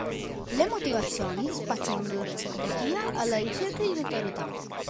Le motivazioni spaziano dalla psicopatia alla ricerca di notorietà.